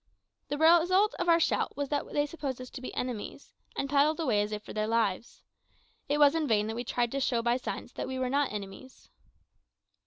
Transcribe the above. The result of our shout was that they supposed us to be enemies, and paddled away as if for their lives. It was in vain that we tried to show by signs that we were not enemies.